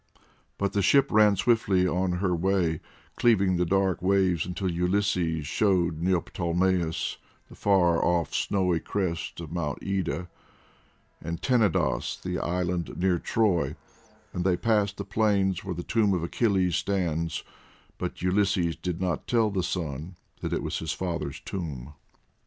But the ship ran swiftly on her way, cleaving the dark waves till Ulysses showed Neoptolemus the far off snowy crest of Mount Ida; and Tenedos, the island near Troy; and they passed the plain where the tomb of Achilles stands, but Ulysses did not tell the son that it was his father's tomb.